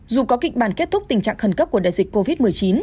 dù có kịch bản kết thúc tình trạng khẩn cấp của đại dịch covid một mươi chín